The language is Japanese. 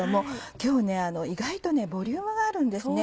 今日意外とボリュームがあるんですね。